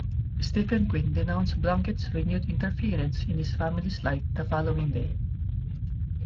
Stephen Quinn denounced Blunkett's renewed interference in his family's life the following day.